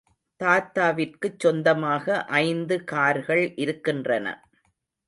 தாத்தாவிற்குச் சொந்தமாக ஐந்து கார்கள் இருக்கின்றன.